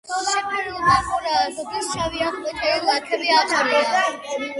შეფერილობა მურაა, ზოგჯერ შავი ან ყვითელი ლაქები აყრია.